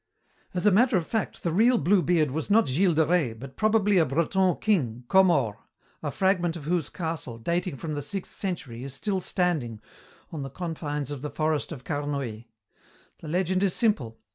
"As a matter of fact the real Bluebeard was not Gilles de Rais, but probably a Breton king, Comor, a fragment of whose castle, dating from the sixth century, is still standing, on the confines of the forest of Carnoet. The legend is simple.